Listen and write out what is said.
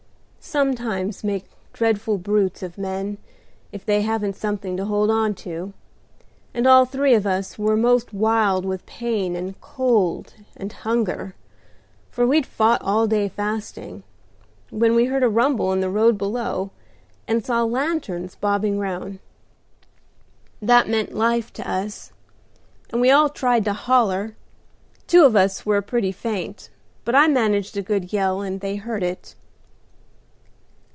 Such times make dreadful brutes of men if they haven't something to hold on to, and all three of us were most wild with pain and cold and hunger, for we'd fought all day fasting, when we heard a rumble in the road below, and saw lanterns bobbing round. That meant life to us, and we all tried to holler; two of us were pretty faint, but I managed a good yell, and they heard it.